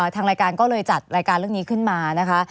ทางรายการก็เลยจัดรายการเรื่องนี้ขึ้นมานะคะ